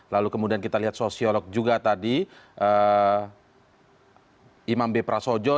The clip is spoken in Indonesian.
lalu kemudian kita lihat sosiolog juga tadi imam b prasojo